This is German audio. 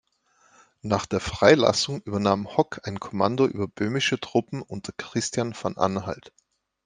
Nach der Freilassung übernahm Hock ein Kommando über böhmische Truppen unter Christian von Anhalt.